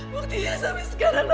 buktinya sampe sekarang